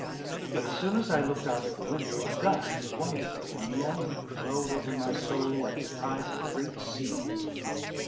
But as soon as I looked out of the window, a gush of wonderment and longing flowed over my soul like the tide of a great sea.